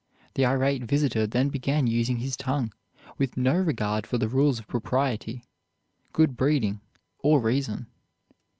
The irate visitor then began using his tongue, with no regard for the rules of propriety, good breeding, or reason.